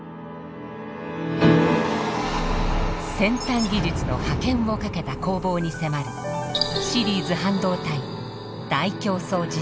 先端技術の覇権をかけた攻防に迫るシリーズ「半導体大競争時代」。